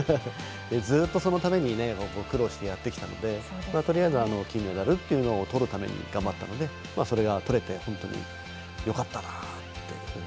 ずっとそのために苦労してやってきたのでとりあえず金メダルっていうのをとるために頑張ったので、それがとれて本当によかったなって。